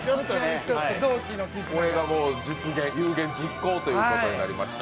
これがもう実現、有言実行ということになりましたね。